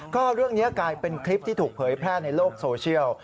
ก็เรื่องนี้กลายเป็นคลิปที่ถูกเผยแพร่ในโลกโซเชียล